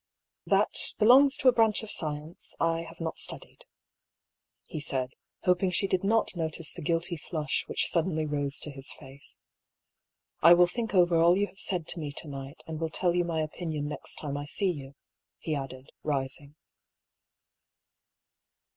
" That — belongs to a branch of a subject I have not studied," he said, hoping she did not notice the guilty flush which suddenly rose to his face. " I will think over all you have said to me to night, and will tell you my opinion next time I see you," he added, rising.